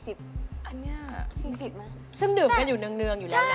ซึ่งดื่มกันอยู่เนืองอยู่แล้วนะ